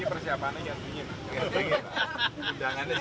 ini persiapannya jatuh bingit